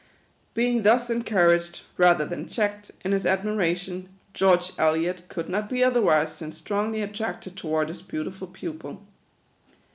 Being thus encouraged, rather than checked, in his admiration, George Elliot could not be otherwise than strongly attracted toward his beautiful pupil.